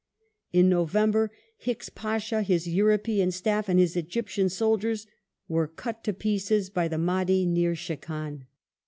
In November Hicks Pasha, his Euroj^an staff, and his Egyptian soldiers were cut to pieces by the Mahdi near Shekan.